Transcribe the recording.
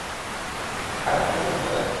আগামী বৃহস্পতিবার দেখা হবে, বাইনচোদ।